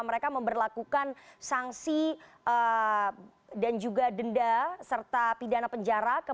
mereka memperlakukan sanksi dan juga denda serta pidana penjara